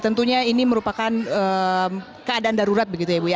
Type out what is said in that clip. karena ini merupakan keadaan darurat begitu ya ibu ya